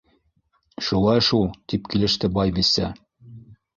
—Шулай шул, —тип килеште Байбисә.